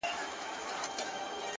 پوهه د روښانه راتلونکي بنسټ دی!